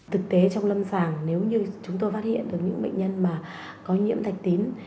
thực tế trong lâm sàng nếu như chúng tôi phát hiện được những bệnh nhân mà có nhiễm thạch tín